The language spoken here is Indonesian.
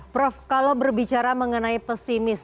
prof kalau berbicara mengenai pesimis